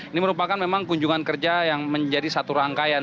ini merupakan memang kunjungan kerja yang menjadi satu rangkaian